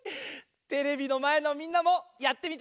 テレビのまえのみんなもやってみてね！